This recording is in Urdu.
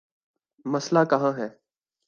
مسئلہ کہاں ہے؟